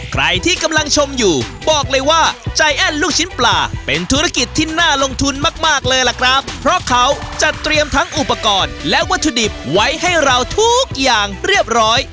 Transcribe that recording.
ใครที่กำลังชมอยู่บอกเลยว่าใจแอ้นลูกชิ้นปลาเป็นธุรกิจที่น่าลงทุนมากมากเลยล่ะครับเพราะเขาจัดเตรียมทั้งอุปกรณ์และวัตถุดิบไว้ให้เราทุกอย่างเรียบร้อย